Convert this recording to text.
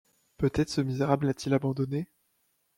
Peut-être ce misérable l’a-t-il abandonnée ?